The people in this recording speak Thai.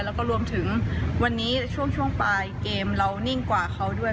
แล้วก็รวมถึงวันนี้ช่วงปลายเกมเรานิ่งกว่าเขาด้วย